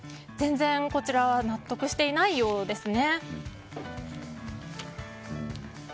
全然納得していないようですね。